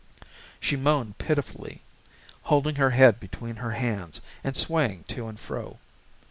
She moaned pitifully, holding her head between her hands and swaying to and fro.